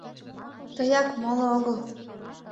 — Тыяк, моло огыл!..